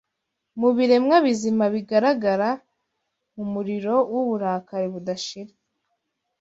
Mubiremwa bizima bigaragara Mu muriro wuburakari budashira